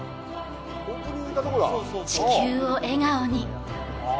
地球を笑顔に。